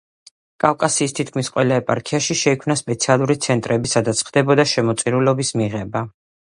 კავკასიის თითქმის ყველა ეპარქიაში შეიქმნა სპეციალური ცენტრები სადაც ხდებოდა შემოწირულობის მიღება.